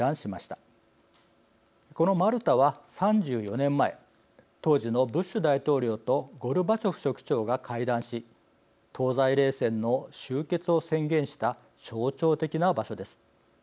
このマルタは３４年前当時のブッシュ大統領とゴルバチョフ書記長が会談し東西冷戦の終結を宣言した象徴的な場所です。